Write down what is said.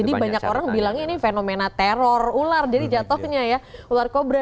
jadi banyak orang bilang ini fenomena teror ular jadi jatuhnya ya ular kobra